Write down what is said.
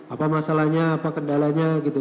apa masalahnya apa kendalanya gitu